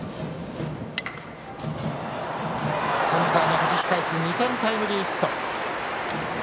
センターにはじき返す２点タイムリーヒット。